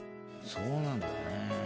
そうなんだよね。